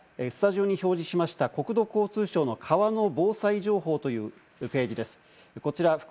こちら、スタジオに表示しました、国土交通省の川の防災情報というページです。